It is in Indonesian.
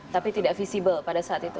tapi tidak visible pada saat itu